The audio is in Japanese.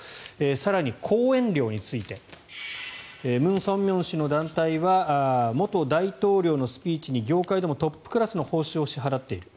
更に講演料についてムン・ソンミョン氏の団体は元大統領のスピーチに業界でもトップクラスの報酬を支払っている。